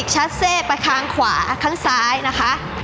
๕๖ชาเซ่ไปข้างขวาข้างซ้ายนะคะ